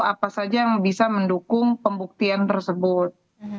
apa saja yang bisa mendukung pembuktian tersebut